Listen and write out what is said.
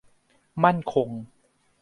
มั่นคง